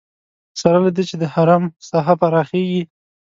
سره له دې چې د حرم ساحه پراخېږي.